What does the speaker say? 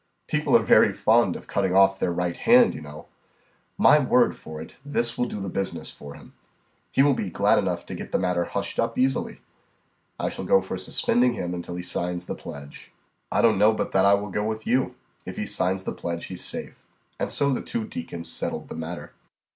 "People are very fond of cutting off their right hand, you know. My word for it, this will do the business for him. He will be glad enough to get the matter hushed up so easily. I shall go for suspending him until he signs the pledge." "I don't know but that I will go with you. If he signs the pledge, he's safe." And so the two deacons settled the matter.